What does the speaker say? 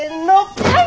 はい！